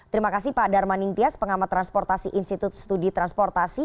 terima kasih pak darmaning tias pengamat transportasi institut studi transportasi